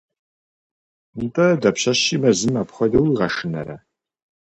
– НтӀэ, дапщэщи мэзым апхуэдэу уигъэшынэрэ?